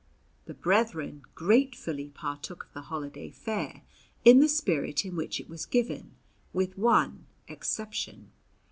The brethren gratefully partook of the holiday fare in the spirit in which it was given with one exception.